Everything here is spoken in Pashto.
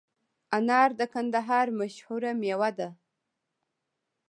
انار د کندهار مشهوره مېوه ده